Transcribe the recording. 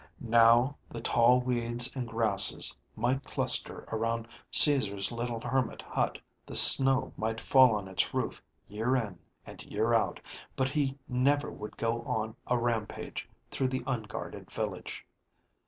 Now the tall weeds and grasses might cluster around Caesar's little hermit hut, the snow might fall on its roof year in and year out, but he never would go on a rampage through the unguarded village.